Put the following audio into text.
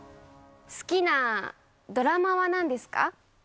好きなドラマはなんですか？